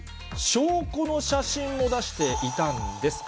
証拠の写真も出していたんです。